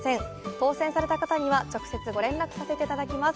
当せん選された方には、直接ご連絡させていただきます。